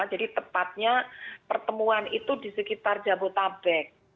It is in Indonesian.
jadi tepatnya pertemuan itu di sekitar jabodetabek